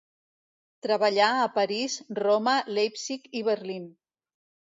Treballà a París, Roma, Leipzig i Berlín.